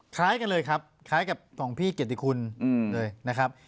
คล้ายกันเลยครับคล้ายกับของพี่เกียรติคุณเลยนะครับ